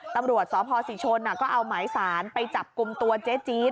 ตำรวจสพศรีชนก็เอาหมายสารไปจับกลุ่มตัวเจ๊จี๊ด